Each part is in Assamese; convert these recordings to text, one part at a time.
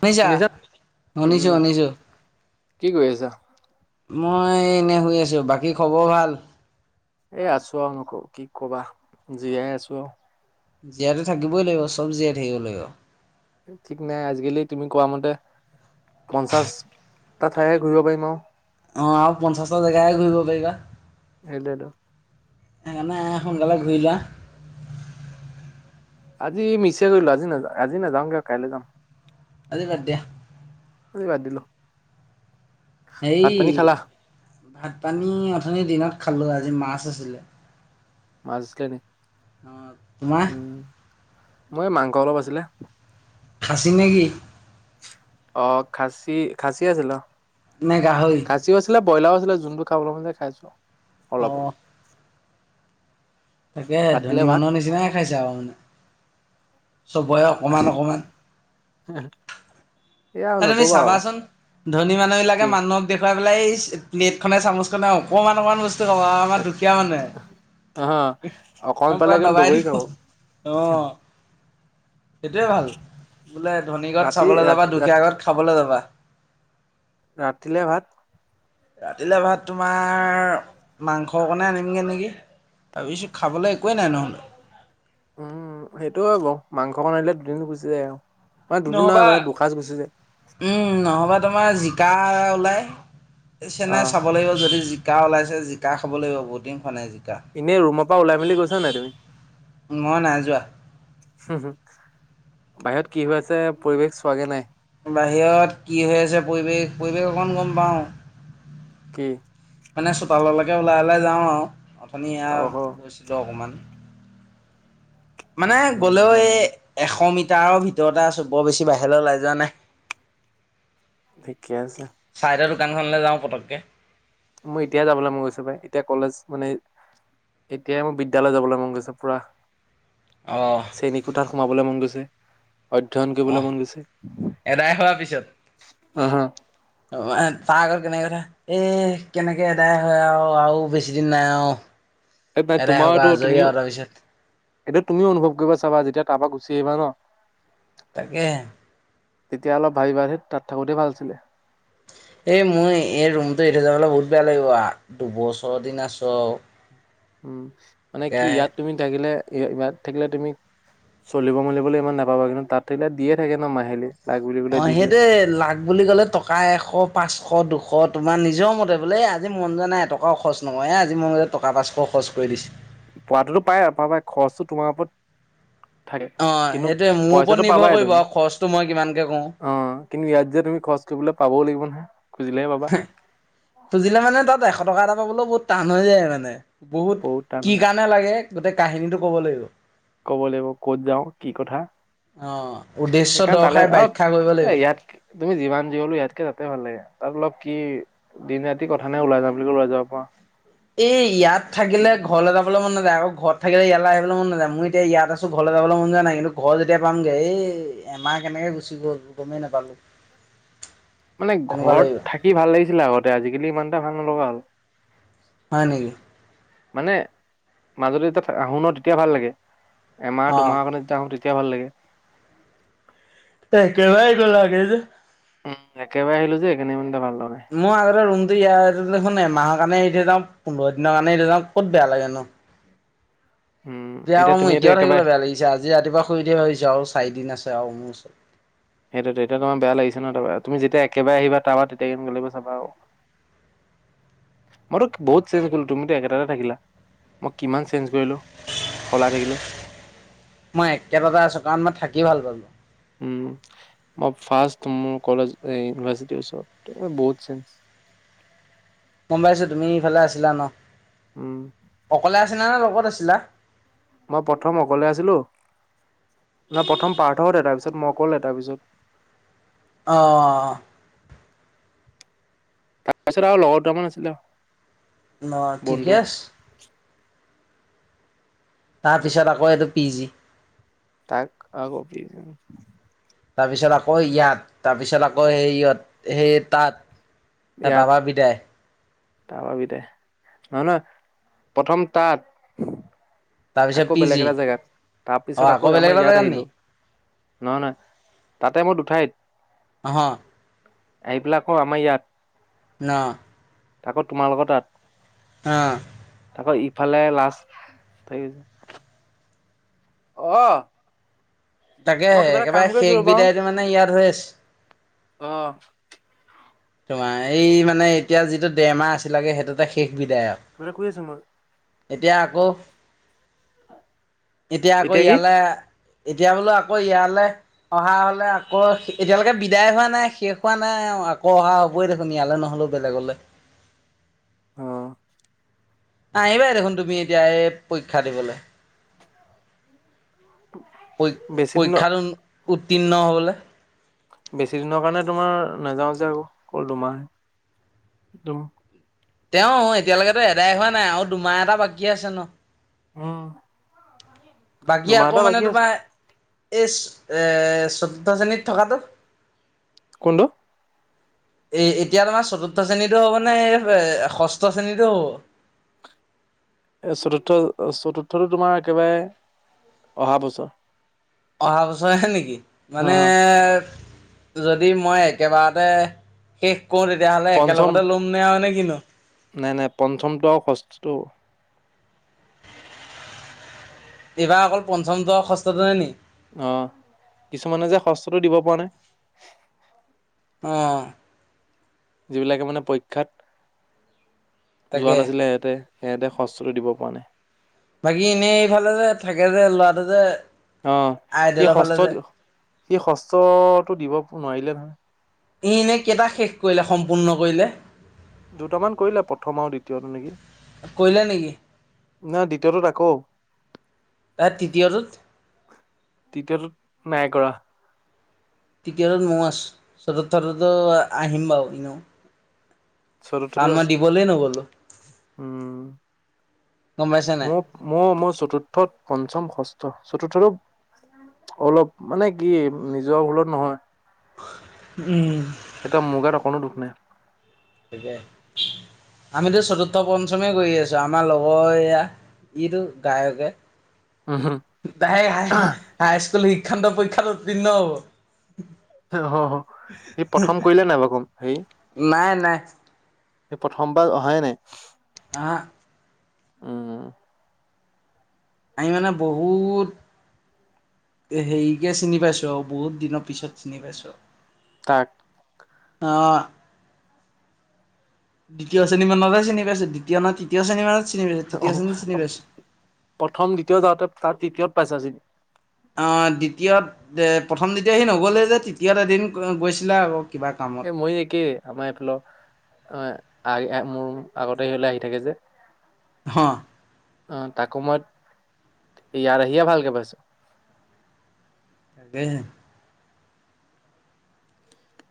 শুছা শুনিছা নাই? উম, শুনিছোঁ উম, শুনিছোঁ। কি কৰি আছা? মই এনেই শুই আছোঁ। বাকী খবৰ ভাল? এ আছো আৰু নকওঁ কি কবা জীয়াই আছো আও। জীয়াইতো থাকিবই লাগিব চব জীয়াই থাকিব লাগিব। ঠিক নাই আজিকালি তুমি কোৱা মতে পঞ্চাশটা ঠাইহে ঘূৰিব পাৰিম আৰু। অ', আৰু পঞ্চাছটা জেগাইে ঘূৰিব পাৰিবা সেইটোৱেটো। সেইকাৰণে সোনকালে ঘূৰি যোৱা আজি মিছে কৰিলো আজি নাযা আজি নাযাওঁ কিয় কাইলৈ যাাম। আজি বাদ দিয়া। অ', বাদ দিলো। হেই ভাত পানী খালা? ভাত পানী অথনিৰ দিনত খালো আৰু আজি মাছ আছিলে। মাজছ কেনে [unintelligible] অ' তোমাৰ। মই মাংস অলপ আছিলে। খাচি নেকি। অ', খাচী খাচি আছিলে অ'। মে গাহৰি। কয়লাও আছিলে যোনবোৰ খাবলৈ মন যাই খাইছো অ। অলপ অলপ। তাকে ৰাতিলে ধনী ভাত মানুহৰ নিচিনাই খাইছে আৰু মানে চবৰে অকণমান অকণমান। উম। এ তুমি চাবাচোন ধনী মানুহ বিলাকে কি মানুহক দেখুৱাই পেলাই এই প্লেট খনে চামুচ খনে অকনমান অকমান বস্তু কব আমাৰ দুকীয়া মানুহে, অ'। অকমান পালে পুৰা একদম দবাই দগৰি দিব। খাব অ', সেইটোৱে ভাল বোলে ধনীগড়ত ৰাতি চাবলৈ যাবা ৰাতি দু ৰাতি খাবলৈ যাবা। ৰাতিলে ভাত? ৰাতিলে ভাত তোমাৰ মাংস অকণে আনিম গে নেকি? ভাবিছোঁ খাবলৈ একোৱেই নাই নহ'লে। উম সেইটো বাৰু মাংস অকন আনিলে দুদিন গুচি যায় আৰু। মানে দুদিন নহয় নহবা মানে দুসাঁজ গুচি যায় উম নহ'বা তোমাৰ জিকা ওলাই চেনে আহ চাব লাগিব যদি জি জিকা ওলাইছে জিকা খাব লাগিব বহুত দিন খোৱা নাই জিক এনেই ৰুমৰ পৰা ওলাই মেলি কৈছা নাই তুমি? মই নাই যোৱা হম হম বাহিৰত কি হৈ আছে পৰিৱেশ চোৱাগে নাই। বাহিৰত কি হৈ আছে পৰিৱেশ পৰিৱেশ অকণমান গম পাওঁ। কি? মানে চোতাললৈকে ওলাই- ওলাই যাওঁ আৰু অথনি এয়া অহ গৈছিলোঁ অকণমান। মানে উম গ'লেও এই এশ মিটাৰৰ ভিতৰতে আছো বৰ বেছি বাহিৰলৈ ওলাই যোৱা নাই। থিকে আছে। চাইদৰ দোকানখনলৈ যাওঁ পটককৈ। মই এতিয়ে যাবলৈ মন গৈছে পাই এতিয়া কলেজ মানে। এতিয়াই মোৰ বিদ্য়ালয় যাবলৈ মন গৈছে পুৰা অঁ কোঠাত সোমাবলৈ মন গৈছে। [inaudible] অধ্যয়ন অঁ কৰিবলৈ মন গৈছে, এদাই হোৱাৰ পিছত আহ হা তাৰ আগত কেনেকে কথা এ কেনেকে এদাই হয় আৰু আৰু বেছি দিন নাই আৰু এই মাই এদাই হওক আৰু তোমাৰতটো আজৰি তুমিও আৰু তাৰপিছত এতিয়া তুমিও অনুভৱ কৰিবা চাবা যেতিয়া তাৰপা গুচি আহিবা ন। তাকে হে। তেতিয়া অলপ ভাবি বাঢ়ি তাত থাকোঁতে ভাল আছিলে। এই মই এই ৰুমটো এৰি যাবলৈ বহুত বেয়া লাগিব দুবছৰ দিন আছো আৰু। উম মানে কি একেৰাহে ইয়াত তুমি থাকিলে ইয়াত থাকিলে তুমি চলিব মেলিবলৈ ইমান নাপাবা কিন্তু তাত থাকিলে দিয়ে থাকে ন মাহিলী। লাগ বুলি কলে অ দি দিয়ে সেইটোৱে লাক বুলি ক'লে টকা এশ পাঁচশ দুশ খ, তোমাৰ নিজৰ মতে বোলে এই আজি মন যোৱা নাই এটকাও খৰচ নকয় এ আজি মন মতে টকা পাঁচশ খৰচ কৰি দিছে। পোৱাাতোতো পায় আৰুপ পায় খৰচটো তোমাৰ ওপৰত থাকে অ কিন্তু সেইটোৱে মোৰ ওপৰত পইচাটো নিৰ্ভৰ পাবাই কৰিব তুমি আৰু খৰচটো মই কিমানকে কৰো অ কিন্তু ইয়াত যে তুমি। খৰছ কৰিবলে পাবও লাগিব নহয়। খুজিলেহে পাবা খুজিলে মানে তাত এশ টকা এটা পাবলৈ বহুত টান হৈ যায় মানে। বহুত টান কি হয় কাৰণে লাগে গোটেই কাহিনীটো ক'ব লাগিব। ক'ব লাগিব ক'ত যাওঁ কি কথা অ। উদ্দেশ্য সেইকাৰণে তালৈ দৰ্শাই ব্যাখ্যা কৰিব আৰু এ লাগিব ইয়াতক তুমি যিমান যি হলো ইয়াতকে তাতে ভাল লাগে তাত অলপ কি দিন ৰাতি কথা নে ওলাই যাম বুলি ক' লৈ যাব পৰা। এই ইয়াত থাকিলে ঘৰলৈ যাবলৈ মন নাযায় আকৌ ঘৰত থাকিলে ইয়ালৈ আহিবলৈ মন নাযায় মই এতিয়া ইয়াত আছো ঘৰলৈ যাবলৈ মন যোৱা নাই কিন্তু ঘৰ যেতিয়া পামগে এই এমাহ কেনেকে গুচি গ'ল গমেই নাপালো। [inaudible] মানে তেনেকুৱা লাগিব ঘৰত থাকি ভাল লাগিছিলে আগতে আজিকালি ইমান এটা ভাল নলগা হ'ল। হয় নেকি? মানে মাজুলী যেতিয়া আহো ন তেতিয়া ভাল লাগে, এমাহ অ দুমাহখনত যেতিয়া আহো তেতি কেতিয়া ভাল লাগে এ কেবাই গ' লাগে যে উম একেবাৰে আহিলো যে এইনি [unintelligible] মোৰ আগতে ৰূমটো ইয় [unintelligible] মাহৰ কাৰণে সৰিয়া যাও পোন্ধৰ দিনৰ কাৰণে এয়া যাও ক'ত বেয়া লাগে ন। উম দয়া এতিয়া আকৌ তুমি মোৰ এইটো এতিয়াও একেবাৰে থাকিবিলে বেয়া লাগিছে আজি ৰাতিপুৱা শুই উ থিয়া হৈিছো আৰু চাৰিদিন আছে আৰু মোৰ ওচৰত। সেইটো এতিয়া তোমাৰ বেয়া লাগিছে ন তাৰ তুমিতিয়ােবাৰে আহিবা তাৰাবা তেতিয়া কে গিব চাবা আৰু। [inaudible] মইতো বহুত চেঞ্জ কৰিলো তুমিতো একেটাতে থাকিলা মই কিমান চেঞ্জ কৰিলো। খলাই থাকিলো। মই একেটাতে আছো কাৰণ মই থাকি ভাল পালো। উম, মই ফম কলেজ ইউনিভাৰিটি ওচৰত বহুত চেঞ্জ [inaudible] গম পাইছো তুমি ইফালে আছিলা ন উম অকলে আছিলা নে লগত আছিলা। মই প্ৰথম অকলে আছিলো। ন প্ৰথম পাৰ্থত তাৰ পিছত মই কল এ তাৰ পিছত অ', তাৰপাছত আৰু লগৰ দুামান আছিলে আৰু। অ, ঠিকে আছে। তাৰ পিছত আকৌ এইটো পি জি তাক আগ পিজ তাৰপিছত আকৌ ইয়াত তাৰপিছত আকৌ সেই ইত সেই তাত। এ তাবা বিদায় তাৰপা বিদায় নহয় - নহয় প্ৰথম তাত তাৰপিছত আকৌ পি বেলেগ জি এটা জেগাত তাৰ অ পিছত আকৌ বেলেগ আমাৰ এটা ইয়াত জেগাত নি আহিলো। নহয়- নহয় তাতে মোৰ দুঠাইত অহহ, এইবিলাকো আমাৰ ইয়াত ন আকৌ তোমাৰ লগত তাত আহ, আকৌ ইফালে লাষ্ট থাক গৈছে। অ', তাকে মই কিবা এটা কাম একেবাৰে কৰিছো সেক ৰ'বা বিদায়টো মানে ইয়াত হৈ আছে। অ তোমাৰ এই কিবা মানে এতিয়া যিটো ডেমাৰ আছিলাগে সেইটোতে শেষ এটা কৰি আছো মই বিধায়ক এতিয়া আকৌ এতিয়া আকৌ ইয়ালে এতিয়া বোলো আকৌ ইয়ালৈ অহা হলে আকৌ এতিয়ালৈকে বিদায় হোৱা নাই শেষ হোৱা নাই। কহা হ'বই দেখোন ইয়ালৈ নহলে বেলেগলৈ অহ ', আহিবাই দেখোন তুমি এতিয়া এই পৰীক্ষা দিবলৈ। প- বেছি দিনৰ পৰীক্ষাত উত্তীৰ্ণ হবলৈ। বেছি দিনৰ কাৰণে তোমাৰ নাযাওঁ যে আকৌ অকল দুমাহে। দম তেও এতিয়ালৈকেতো এদাই হোৱা নাই আৰু দুমাহ এটা বাকী আছে ন। উম, বাকী দুমাহ আকৌ এটা মানে বাকী আছে তোমাৰ এই চৈধ্য শ্ৰেণীত থকাটো কোনটো এ- এতিয়া তোমাৰ চতুৰ্থ শ্ৰেণীতটো হ'ব নেষ্ঠ তছে নিটো এ চতুৰ্থ - চতুৰ্থটো তোমাৰ একেবাৰে অহা বছৰ। অহা বছৰেহে নেকি হা মানে। হা যদি মই একেবাৰতে শেষ কওঁ তেতিয়াহ'লে পঞ্চম একেলগতে ল'ম নে হয় নে কিনু। নাই নাই পঞ্চমটো ষষ্টটো। এইবা অকল পঞ্চমটো আও ষষ্ঠটোৱে নি? অ' কিছুমানে যে ষষ্ঠটো দিব পৰা নাই। অ যিবিলাকে মানে পইক্ষাত, যোৱা তাকে নাছিলে এহেতে সিহঁতে সষ্টটো দিব পৰা নাই। বাকী এনেই এইফালে যে থাকে যে লৰাটো যে। অ সি আইডিয়েলৰ ফালে সষ্ট, যে সি সষ্টতটো দিব নোৱাৰিলে নহয়। ই এনেই কেইটা শেষ কৰিলে সম্পূৰ্ণ কৰিলে। দুটামান কৰিলে প্ৰথম আৰু দ্বিতীয়টো নেকি। কৰিলে নেকি নাই দ্বিতীয়টোত আকৌ। তাত তৃতীয়টোত তেতিয়াতো নাই কৰা। [unintelligible] আহিম বাৰু চৰু থৰু কাৰণ মই আছ, দিবলে নগ'লো, উম। গম পাইছা নাই? মোক মো, মোৰ চতুৰ্থত, পঞ্চম, ষষ্ঠ। চতুৰ্থটোত, অলপ মানে কি নিজৰ ভুলত নহয়। উম। সেইটো মোৰ গাত অকণো দুখ নাই। তাকে, আমিতো চতুৰ্থ পঞ্চমে কৰি আছো আমাৰ লগৰ এয়া। এইটো গায়কে। উম তাই হাই হাইস্কুল শিক্ষান্ত পৰীক্ষাত উত্তীৰ্ণ হ'ব। সি প্ৰথম কইলে নাই বাও গম হেই। নাই নাই। সে প্ৰথমপা অহাই নাই। হা। উম। আমি মানে বহুত। এ হেৰিকে চিনি পাইছো আৰু বহুত দিনৰ পিছত চিনি পাইছো। তাক। অ'। দ্বিতীয় শ্ৰেণী মানতে চিনি পাইছোঁ। দ্বিতীয় নয়, তৃতীয় শ্ৰেণী মানত চিনি পাইছো, তৃতীয় অহ, শ্ৰেণীত চিনি পাইছো। প্ৰথম দ্বিতীয় যাওঁতে তাৰ তৃতীয়ত পাইছা চি অ' দ্বিতীয়ত এ প্ৰথম, দ্বিতীয় হি নগ'লে যে তৃতীয়ত এদিন গৈ-গৈছিলে আও। এ মই একেই আমাৰ এইফালৰ, আ আ মোৰ আগতে সিলে আহি থাকে যে, হ আহ তাকো মই ইয়াত আহিয়ে ভালকে পাইছো [unintelligible]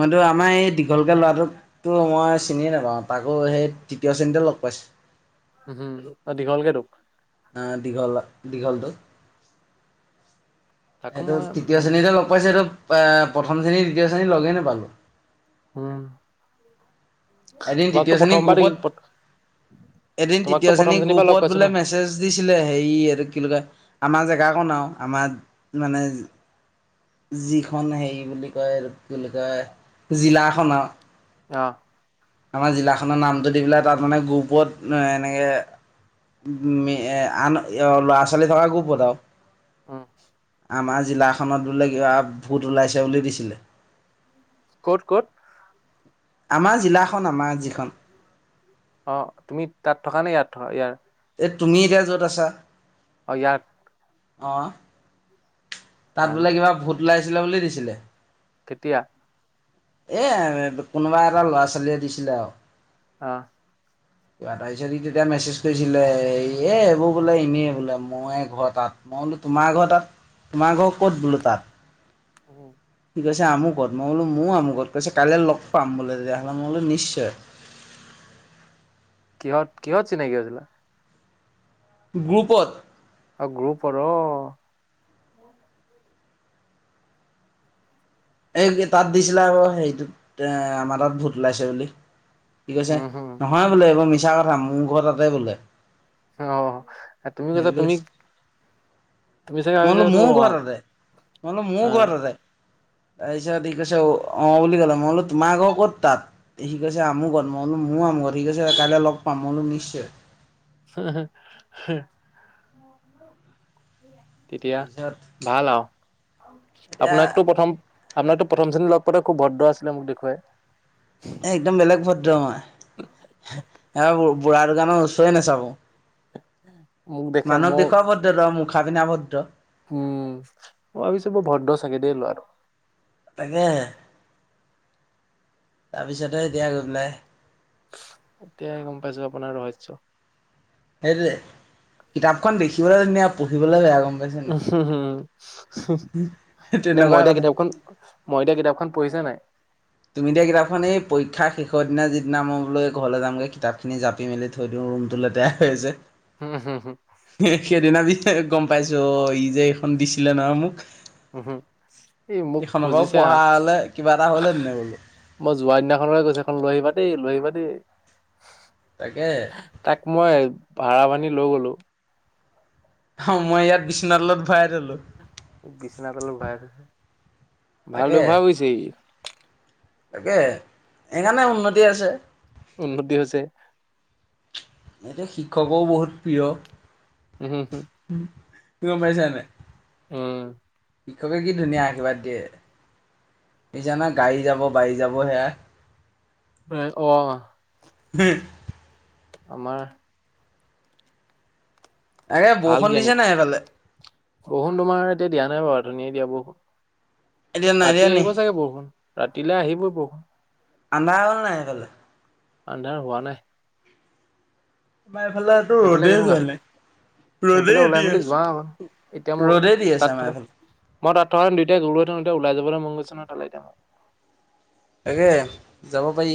মইতো আমাৰ এই দীঘলকে ল'ৰাটোকো মই চিনিয়ে নাপাওঁ তাকো সেই তৃতীয় শ্ৰেণীতে লগ [unintelligible] উম হম আৰু দীঘলকে তোক। আহ দীঘল দীঘলটো। তাকো এইটো মই তৃতীয় উম শ্ৰেণীতে লগ পাইছিলো পে প্ৰথম শ্ৰেণী দ্বিতীয় শ্ৰেণীত লগেই নাপালো। উম। এদিন তৃতীয় তোমাকতো শ্ৰেণীৰ প্ৰথমবাৰ দেখি গ্ৰুপত এদিন তোমাকতো তৃতীয় প্ৰথম শ্ৰেণী শ্ৰেণীৰ পৰা লগ গ্ৰুপত পাইছো বোলে ন মেছেজ দিছিলে হেই এটো কি বুলি কয় আমাৰ জেগা বনাওঁ আমাৰ মানে। যিখন হেৰি বুলি কয় কি বুলি কয় জিলাখনত অ। আমাৰ জিলাখনৰ নামটো দি পেলাই তাত মানে গ্ৰুপত এ এনেকে। উ, এ আন ল'ৰা ছোৱালী থকা গ্ৰুপত অ, [unintelligible] উম, আমাৰ জিলাখনত বোলে কিবা ভোত ওলাইছে বুলি দিছিলে। ক'ত- ক'ত। আমাৰ জিলাখন আমাৰ যিখন অ, তুমি তাত থকা নে ইয়াত থ ইয়াৰ এ তুমি এতিয়া য'ত আছা। অ ইয়াত। অ, তাত জানো বোলে কিবা ভোত ওলাইছিলে বুলি দিছিলে। তেতিয়া এ কোনোবা এটা ল'ৰা ছোৱালীয়ে দিছিলে আৰু। অহ ', কিবা তাৰ পিছত তেতিয়া মেছেজ কৰিছিলে এ এইবোৰ বোলে এনেই বোলে মই ঘৰত ত মই বোলো তোমাৰ ঘৰ তাত তোমাৰ ঘৰ ক'ত বোলো তাত। উম, ঠিকৈছে আমুকত মই বোলো মোৰো আমুকত কৈছে কাইলৈ লগ পাম বোলে তেতিয়াহ'লে মই বোলো নিশ্চয়। কিহত- কিহত চিনাকি হৈছিলা। গ্ৰুপত আৰু গ্ৰুপৰ অ, এই তাত দিছিলে আকৌ হেৰিটোত এ আমাৰ তাত ভোত ওলাইছে বুলি। কি কৈছে উম হম নহয় বোলে এইবোৰ মিছা কথা মোৰ ঘৰ তাতে বোলে। অ, তুমি সেই কছা বুলি তুমি কৈছে তুমি চাগে মই ভাবিছা বোলো এইটো মোৰো অ', ঘৰ তাতে- মোৰো আহ, ঘৰ তাতে। তাৰপিছত সি কৈছে অ - অ বুলি ক'লে মই বোলো তোমাকৰ ক'ত তাত সি কৈছে আমুকত মই বোলো ম [unintelligible] সি কৈছে কাইলৈ লগ পাম বোলো নিশ্চয়। হ - হ - হ। তেতিয়া তাৰপিছত ভাল আৰু এতিয়া আপোনাকতটো প্ৰথম আপোনাৰতো প্ৰথম শ্ৰেণী লগ পাওতে খুব ভদ্ৰ আছিলে মোক দেখুৱাই। এ - একদম বেলেগ ভদ্ৰ আমাৰ বুঢ়া দোকানৰ ওচৰে নাচাব। মোক দেখে মানুহ মই দেখুৱা ভদ্ৰ তই মুখা পিন্ধা ভদ্ৰ। উম, মই ভাবিছো বৰ ভদ্ৰ চাগে দেই লৰা আৰু তাকে তাৰপিছত এতিয়া গম পাই। এতিয়াই গম পাইছো আপোনাৰ ৰহস্য। সেইটোৱে কিতাপখন দেখিবলৈ ধুনীয়া পঢ়িবলৈ বেয়া কম। উম, হম এনে তেনেকুৱা মই দিয়া কথা কিতাপখন মই দিয়া কিতাপখন পঢ়িছা নে নাই। তুমি দিয়া কিতাপখন এই পৰীক্ষা শেষৰ দিনা যিদিনা মই ঘৰলৈ যামগৈ কিতাপ খিনি জাপি মেলি থৈ দিও। ৰুমটো লেতেৰাই হৈছে। হম - হম। গম পাইছো অ, ই যে এইখন দিছিলে নহ মোক। উহু, এই মোক এইখনৰ পৰাও খুজিছে পঢ়া হলে কিবা এটা হ'লহেতেনে বোলো মই যোৱা দিনাখনক গৈছো এখন লৈ আহিবা। দেই লৈ আহিবা দেই তাকে তাক মই ভাড়া বানী। লৈ গলো। অ, মই ইয়াত বিশ্বনাথ তলত ভৰাই থলো। বিচনা তলৰ ভৰাইছে তাকে ভাল ব্যৱসায় কৰিছে সি। তাকে সেইকাৰণে উন্নতি আছে। উন্নতি হৈছে। এতিয়া শিক্ষকো বহুত প্ৰিয়। উম হম হুম কি গম পাইছানে উম শিক্ষকে কি ধুনীয়া আশীৰ্বাদ দিয়ে। সি জানা গাড়ী যাব বাই যাব সেয়া উ অ হে আমাৰ আৰে ভাল বৰষুণ জ্ঞানী দিছে নাই সেইফালে বৰষুণ তোমাৰ এতিয়া দিয়া নাই বাৰু অথনিয়ে দিয়া বৰষুন এতিয়া নাই দিয়া ৰাতি নি আহিব চাগে বৰষুণ ৰাতিলৈ আহিবই বৰষুণ আন্ধাৰ হল নাই এইফালে অন্ধাৰ হোৱা নাই মাৰ এইফালেটো সেইফালে ৰ'দেই কেনেকুৱা যোৱা নাই সেইফালে ৰদেই ওলাই দি মেলি যোৱা অকণ আছে এতিয়া মোৰ ৰ'দে দি তাত আছে আমাৰ থকা এইফালে মই তাত থকা হলে দুটাই গলো হেতেন ওলাই যাবলৈ মন গৈছে ন তালৈ এতিয়া মই তাকে যাব পাৰি